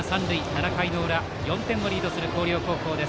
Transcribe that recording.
７回の裏、４点をリードする広陵高校。